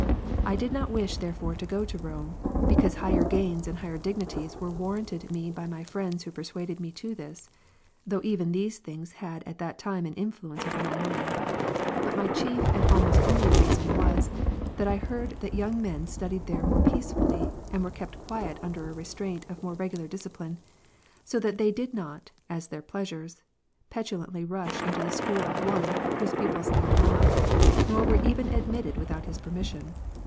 I did not wish therefore to go to Rome, because higher gains and higher dig nities were warranted me by my friends who persuaded me' to this, (though even these things had at that time an influence over my mind,) but my chief and almost only reason was, that I heard that young men studied there more peacefully, and were kept quiet under a restraint of more regular discipline; so that they did not, at their pleasures, petulantly rush into the school of one, whose pupils they were not, nor were ever admitted without his permission.